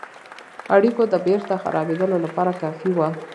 اړېکو د بیرته خرابېدلو لپاره کافي وه.